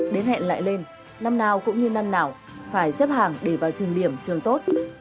đến hẹn lại lên năm nào cũng như năm nào phải xếp hàng để vào trường điểm trường tốt